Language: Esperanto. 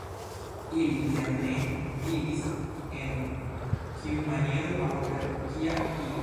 Ili tiam ne diris, en kiu maniero aŭ per kia ilo.